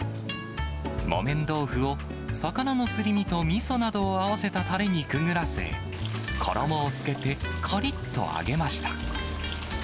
木綿豆腐を魚のすり身とみそなどを合わせたたれにくぐらせ、衣をつけてかりっと揚げました。